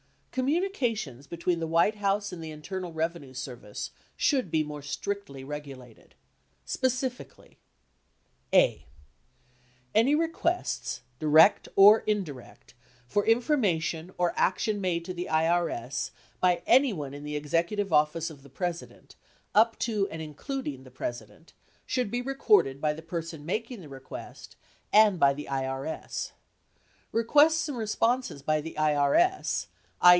Communications between the White House and the Internal Revenue Service should be more strictly regulated. Specifically: (a) Any requests, direct or indirect, for information or action made to the IRS by anyone in the Executive Office of the President, up to and including the President, should be recorded by the person making the request and by the IRS. Requests and responses by the IRS (i.